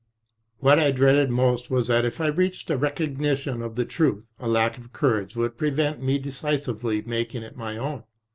What I dreaded most was that if I reached a recognition of the truth, a lack of courage would prevent me decisively making it my own.